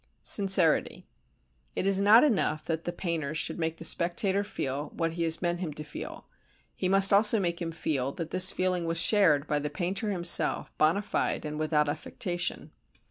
Sincerity It is not enough that the painter should make the spectator feel what he meant him to feel; he must also make him feel that this feeling was shared by the painter himself bona fide and without affectation.